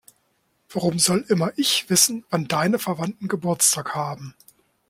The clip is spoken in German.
Warum soll immer ich wissen, wann deine Verwandten Geburtstag haben?